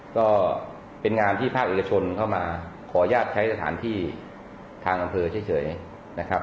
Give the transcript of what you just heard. ก็เป็นงานที่ภาคเอกชนเข้ามาขออนุญาตใช้สถานที่ทางอำเภอเฉยนะครับ